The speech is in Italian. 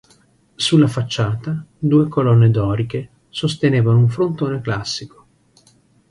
Sulla facciata, due colonne doriche sostenevano un frontone classico.